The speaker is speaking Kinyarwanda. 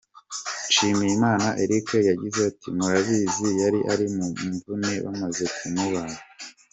Nshimiyimana Eric yagize ati « Murabizi yari ari mu mvune bamaze kumubaga.